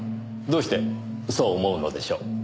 どうしてそう思うのでしょう。